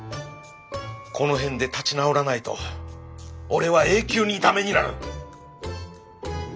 この辺で立ち直らないとおれは永久にダメになる！